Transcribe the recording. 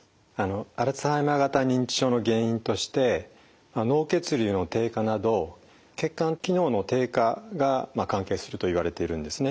アルツハイマー型認知症の原因として脳血流の低下など血管機能の低下が関係するといわれているんですね。